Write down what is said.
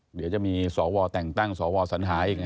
เหลียวจะมีศวรรษแต่งตั้งศวรษฉันหายอีกไง